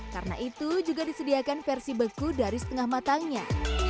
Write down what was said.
karena itu juga disediakan versi beku dari setengah matangnya